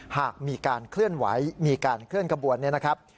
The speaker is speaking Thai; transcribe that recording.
หากมีการเคลื่อนไหวมีการเคลื่อนขบวนเนี่ยนะครับ